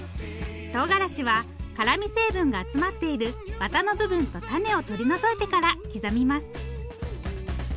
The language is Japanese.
とうがらしは辛み成分が集まっているワタの部分と種を取り除いてから刻みます。